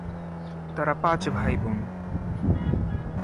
তারা পাঁচ ভাইবোন।